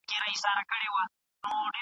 ماشوم د خپلې مور په غېږ کې په ارامه ویده شو.